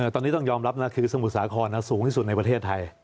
ตอนนี้ต้องยอมรับนะคือสมุทรสาครสูงที่สุดในประเทศไทย